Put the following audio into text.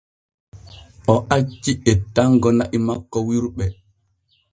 O acci ettango na’i makko wirɓe.